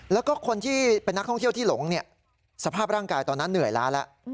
แล้วก็คนที่เป็นนักท่องเที่ยวที่หลงสภาพร่างกายตอนนั้นเหนื่อยล้าแล้ว